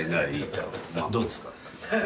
どうですか？